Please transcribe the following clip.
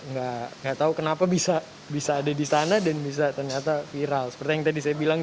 enggak enggak tahu kenapa bisa bisa ada di sana dan bisa ternyata viral seperti yang tadi saya bilang